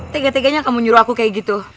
tiga tiganya kamu nyuruh aku kayak gitu